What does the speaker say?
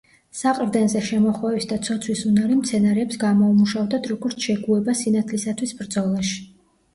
საყრდენზე შემოხვევის და ცოცვის უნარი მცენარეებს გამოუმუშავდათ როგორც შეგუება სინათლისათვის ბრძოლაში.